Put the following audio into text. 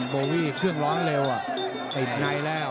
โบวี่เครื่องร้อนเร็วติดในแล้ว